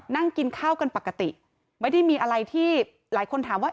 นั่งกินข้าวกันปกติไม่ได้มีอะไรที่หลายคนถามว่า